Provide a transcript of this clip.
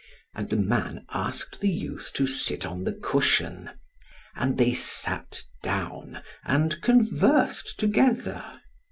And the man asked the youth to sit on the cushion; and they sat down, and conversed together.